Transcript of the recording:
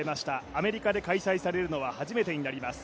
アメリカで開催されるのは初めてになります。